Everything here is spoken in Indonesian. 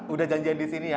udah janjian disini ya